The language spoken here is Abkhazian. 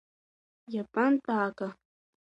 Иабантәаага?